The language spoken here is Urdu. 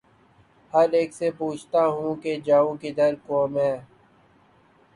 ہر اک سے پوچھتا ہوں کہ ’’ جاؤں کدھر کو میں